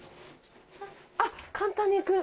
あっ簡単に行く。